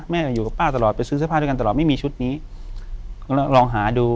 อยู่กับป้าตลอดไปซื้อเสื้อผ้าด้วยกันตลอดไม่มีชุดนี้ก็ลองหาดู